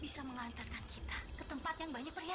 sampai jumpa di video selanjutnya